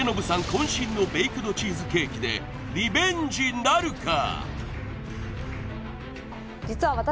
こん身のベイクドチーズケーキでリベンジなるか？